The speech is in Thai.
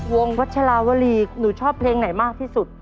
วัชราวรีหนูชอบเพลงไหนมากที่สุด